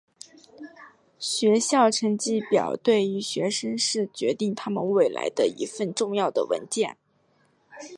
学校成绩表对于学生是决定他们未来的一份重要的文件。